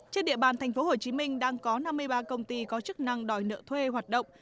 trên địa bàn tp hcm đang có năm mươi ba công ty có chức năng đòi nợ thuê hoạt động